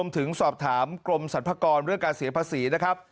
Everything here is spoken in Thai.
ถึงสอบถามกรมสรรพากรเรื่องการเสียภาษีนะครับ